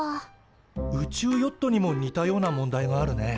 宇宙ヨットにも似たような問題があるね。